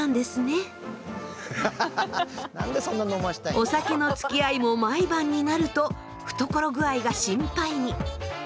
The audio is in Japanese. お酒のつきあいも毎晩になると懐具合が心配に。